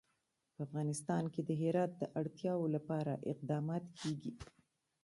په افغانستان کې د هرات د اړتیاوو لپاره اقدامات کېږي.